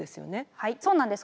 はいそうなんです。